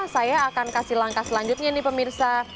saya akan kasih langkah selanjutnya nih pak mirsa